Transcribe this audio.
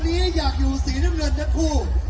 และสองคนนี้อยากอยู่สีเหลืองทั้งคู่